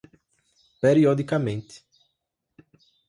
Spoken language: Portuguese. periodicamente